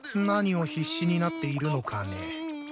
何を必死になっているのかね。